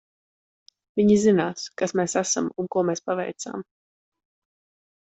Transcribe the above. Viņi zinās, kas mēs esam un ko mēs paveicām.